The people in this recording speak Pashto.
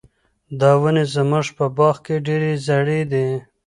دا ونې زموږ په باغ کې ډېرې زړې دي.